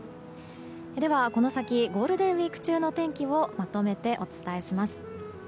では、この先ゴールデンウィーク中の天気をまとめてお伝えします。